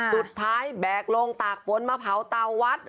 สุดท้ายแบกลงตากฝนมาเผาเตาวัด